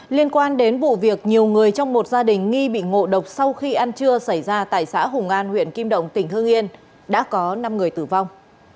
liên quan đến vụ việc nhiều người trong một gia đình nghi bị ngộ độc sau khi ăn trưa xảy ra tại xã hùng an huyện kim động tỉnh hương yên đã có năm người tử vong